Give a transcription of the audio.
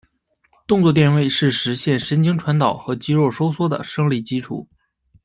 动作电位是实现神经传导和肌肉收缩的生理基础。